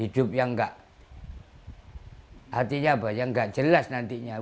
bertahan hidup yang tidak jelas nantinya